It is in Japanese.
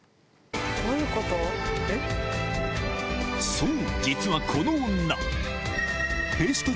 そう！